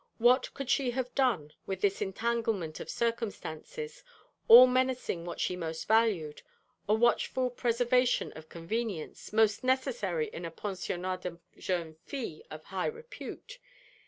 What could she have done with this entanglement of circumstances, all menacing what she most valued, a watchful preservation of 'convenience,' most necessary in a Pensionnat de Jeunes Filles of high repute?